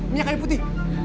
minyak kayu putih